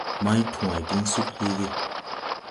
Mày tway diŋ sug heege.